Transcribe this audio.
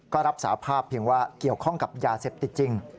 ก็รับสาภาพเพียงว่าเกี่ยวข้องกับยาเสพติดจริง